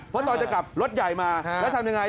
เพราะตอนจะกลับรถใหญ่มาแล้วทำยังไง